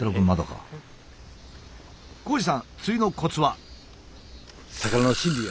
紘二さん釣りのコツは？